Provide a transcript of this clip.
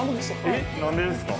えっなんでですか？